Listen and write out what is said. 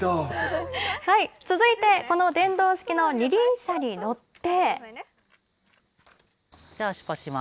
続いて、この電動式の２輪車に乗って。